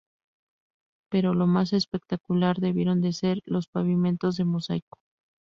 Pero lo más espectacular debieron de ser los pavimentos de mosaico.